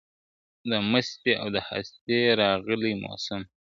دمستئ و د هستۍ راغئ موسم